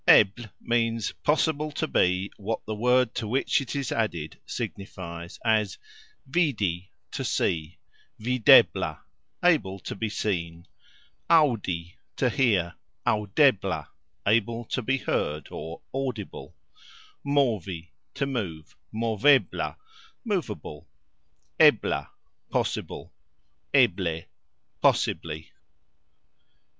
" ebl " means "possible to be" what the word to which it is added signifies, as "Vidi", to see; "videbla", able to be seen; "Auxdi", to hear; "auxdebla", able to be heard, audible; "Movi", to move; "movebla", movable; "Ebla", possible; "eble", possibly.